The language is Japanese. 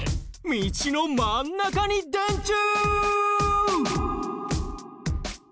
道の真ん中に電柱！？